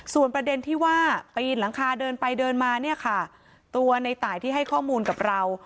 ส่วนประเด็นที่ว่าปีนหลังคาเดินไปเดินมาเนี่ยค่ะตัวในตายที่ให้ข้อมูลกับเรา